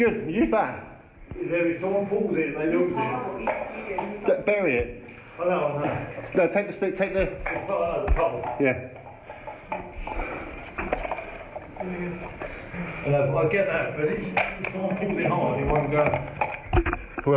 เรากลับมาโอเคเรากลับมา